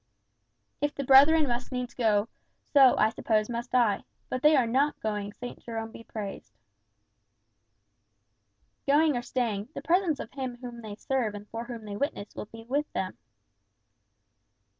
"If the brethren must needs go, so, I suppose, must I. But they are not going, St. Jerome be praised," the old man repeated. "Going or staying, the presence of Him whom they serve and for whom they witness will be with them."